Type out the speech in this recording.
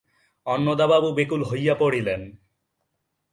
অন্নদাবাবু ব্যাকুল হইয়া পড়িলেন।